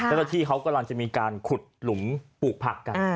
และที่เขากำลังจะมีการขุดหลุมปลูกผักกัน